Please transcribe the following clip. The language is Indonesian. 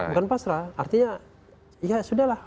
bukan pasrah artinya ya sudah lah